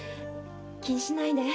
気にしないで。